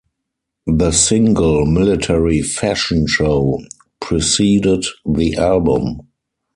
The single "Military Fashion Show" preceded the album.